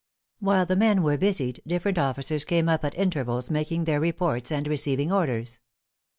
While the men were busied, different officers came up at intervals, making their reports and receiving orders.